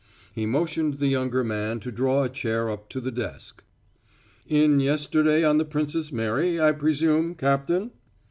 He motioned the younger man to draw a chair up to the desk. "In yesterday on the Princess Mary, I presume, Captain?"